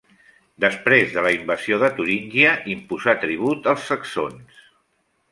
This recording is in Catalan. Després de la invasió de Turíngia, imposà tribut als saxons.